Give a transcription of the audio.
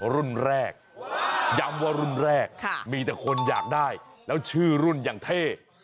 รุ่นแรกย้ำว่ารุ่นแรกมีแต่คนอยากได้แล้วชื่อรุ่นอย่างเท่